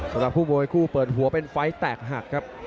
สำหรับผู้มวยคู่เปิดหัวเป็นไฟล์แตกหักครับ